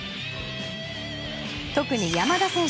特に、山田選手。